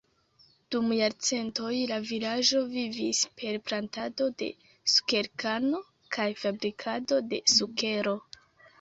Dum jarcentoj, la vilaĝo vivis per plantado de sukerkano kaj fabrikado de sukero.